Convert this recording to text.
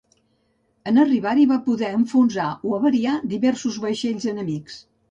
En arribar-hi va poder enfonsar o avariar diversos vaixells enemics.